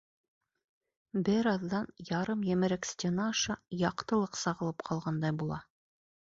Бер аҙҙан ярым емерек стена аша яҡтылыҡ сағылып ҡалғандай була.